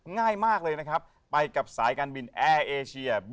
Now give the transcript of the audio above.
ง่ายมากเลยนะครับไปกับสายการบินแอร์เอเชีย